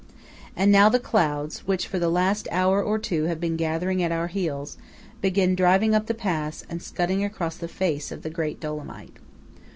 And now the clouds, which for the last hour or two have been gathering at our heels, begin driving up the pass and scudding across the face of the great Dolomite.